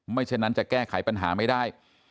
ไม่เช่นนั้นจะแก้ไขปัญหาไม่ได้